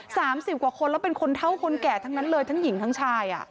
สามสิบกว่าคนแล้วเป็นคนเท่าคนแก่ทั้งนั้นเลยทั้งหญิงทั้งชายอ่ะ